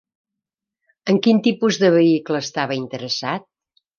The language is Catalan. En quin tipus de vehicle estava interessat?